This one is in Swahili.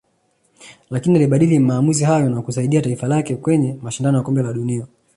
lakini alibadili maamuzi hayo na kusaidia taifa lake kwenye mashindano ya kombe la dunia